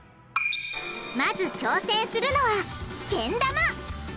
まず挑戦するのはけん玉！